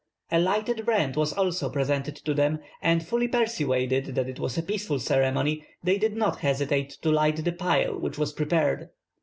A lighted brand was also presented to them, and fully persuaded that it was a peaceful ceremony, they did not hesitate to light the pile which was prepared.